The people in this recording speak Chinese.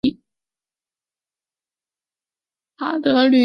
塔德吕兰让。